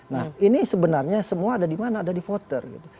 nah ini sebenarnya semua ada di mana ada di voter gitu